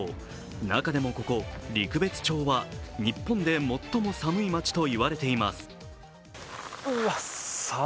中でもここ、陸別町は日本で最も寒い町と言われています。